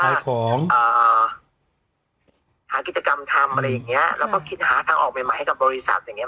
หากิจกรรมทำอะไรอย่างเงี้ยแล้วก็คิดหาทางออกใหม่ใหม่ให้กับบริษัทอย่างเง